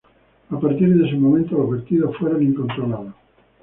A partir de ese momento, los vertidos fueron incontrolados.